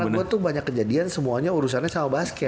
karena gue tuh banyak kejadian semuanya urusannya sama basket